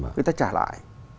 người ta trả lại